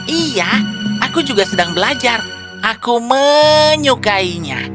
iya aku juga sedang belajar aku menyukainya